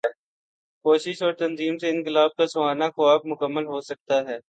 کوشش اور تنظیم سے انقلاب کا سہانا خواب مکمل ہو سکتا ہے۔